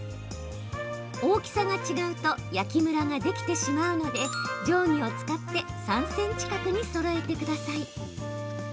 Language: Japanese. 大きさが違うと焼きムラができてしまうので定規を使って３ｃｍ角にそろえてください。